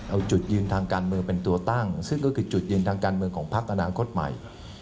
เอาจุดยืนทางการเมืองเป็นตัวตั้งซึ่งก็คือจุดยืนทางการเมืองของพักอนาคตใหม่